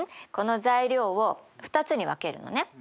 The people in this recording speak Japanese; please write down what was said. この材料を２つに分けるのね。